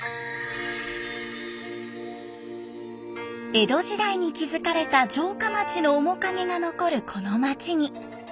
江戸時代に築かれた城下町の面影が残るこの町に。